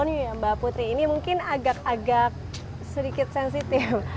nih mbak putri ini mungkin agak agak sedikit sensitif